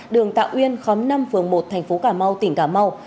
đường tạo yên khóm năm phường một thành phố cà mau tỉnh cà mau